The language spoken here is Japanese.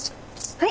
はい！